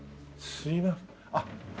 すみません。